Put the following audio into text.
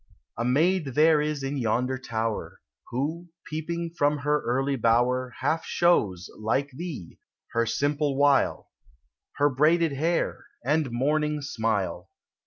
325 A maid there is in yonder tower, Who, peeping from her early bower, Half shows, like thee, her simple wile, Her braided hair and morning smile.